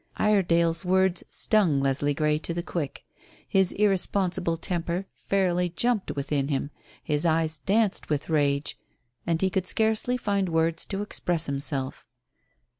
Iredale's words stung Leslie Grey to the quick. His irresponsible temper fairly jumped within him, his eyes danced with rage, and he could scarcely find words to express himself.